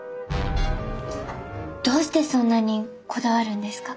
どうしてそんなにこだわるんですか？